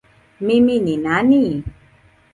Mimi ni nani?